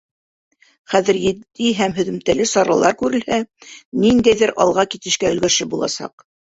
Хәҙер етди һәм һөҙөмтәле саралар күрелһә, ниндәйҙер алға китешкә өлгәшеп буласаҡ.